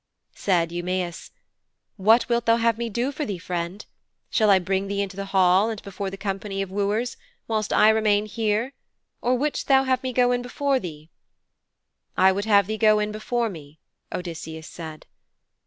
Said Eumæus, 'What wilt thou have me do for thee, friend? Shall I bring thee into the hall and before the company of wooers, whilst I remain here, or wouldst thou have me go in before thee?' 'I would have thee go in before me,' Odysseus said.